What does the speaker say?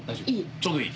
ちょうどいい？